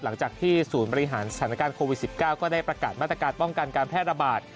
หลังจากที่ศูนย์บริหารสถานการณ์โควิด๑๙ก็ได้ประกาศมาตรการป้องกันการแพร่ระบาด